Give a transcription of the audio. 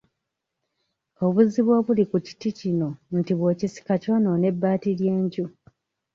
Obuzibu obuli ku kiti kino nti bw'okisika kyonoona ebbaati ly'enju.